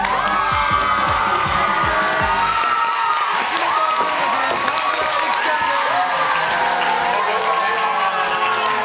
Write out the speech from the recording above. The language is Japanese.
橋本環奈さん、沢村一樹さんです。